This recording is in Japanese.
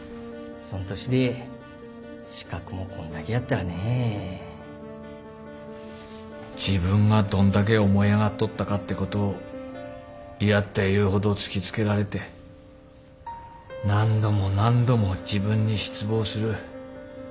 そん年で資格もこんだけやったらねぇ自分がどんだけ思い上がっとったかってことを嫌っていうほど突き付けられて何度も何度も自分に失望する。